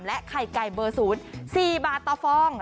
และไข่ไก่เบอร์ศูนย์๔บาทต่อฟอง